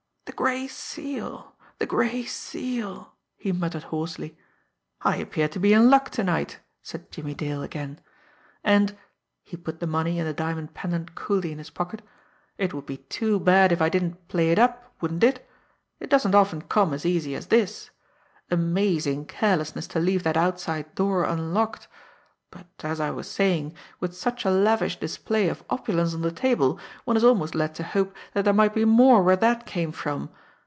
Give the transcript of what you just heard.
"The Gray Seal! The Gray Seal!" he muttered hoarsely. "I appear to be in luck to night!" said Jimmie Dale again. "And" he put the money and the diamond pendant coolly in his pocket "it would be too bad if I didn't play it up, wouldn't it? It doesn't often come as easy as this. Amazing carelessness to leave that outside door unlocked! But, as I was saying, with such a lavish display of opulence on the table, one is almost led to hope that there might be more where that came from.